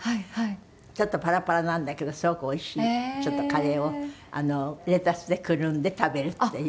ちょっとパラパラなんだけどすごくおいしいカレーをレタスでくるんで食べるっていう。